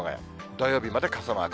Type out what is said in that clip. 土曜日まで傘マーク。